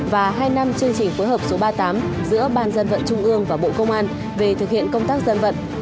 và hai năm chương trình phối hợp số ba mươi tám giữa ban dân vận trung ương và bộ công an về thực hiện công tác dân vận